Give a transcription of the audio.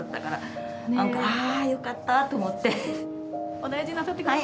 お大事になさってください。